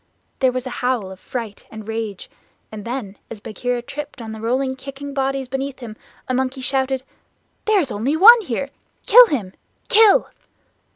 There was a howl of fright and rage, and then as Bagheera tripped on the rolling kicking bodies beneath him, a monkey shouted: "There is only one here! Kill him! Kill."